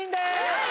はい。